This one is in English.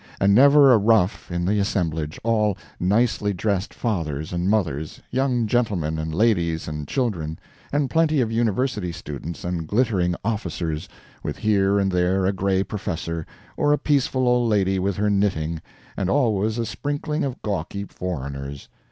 And never a rough in the assemblage all nicely dressed fathers and mothers, young gentlemen and ladies and children; and plenty of university students and glittering officers; with here and there a gray professor, or a peaceful old lady with her knitting; and always a sprinkling of gawky foreigners.